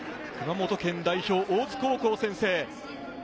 熊本県代表・大津高校、先制。